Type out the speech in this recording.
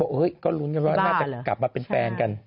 พี่สนิทกันเขาจะมีการเรียกพี่เป็นส่วนตัว